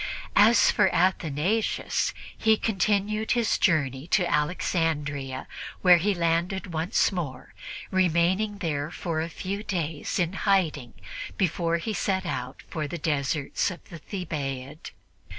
As for Athanasius, he continued his journey to Alexandria, where he landed once more, remaining there for a few days in hiding before he set out for the deserts of the Thebaid.